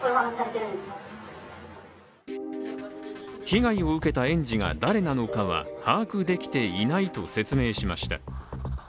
被害を受けた園児が誰なのかは把握できていないと説明しました。